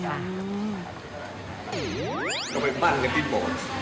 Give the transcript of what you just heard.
ก็ไปมั่นกันที่โหมด